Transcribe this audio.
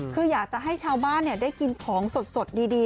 คืออยากจะให้ชาวบ้านได้กินของสดดี